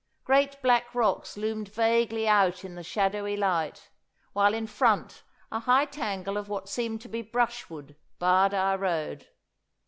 Great black rocks loomed vaguely out in the shadowy light, while in front a high tangle of what seemed to be brushwood barred our road.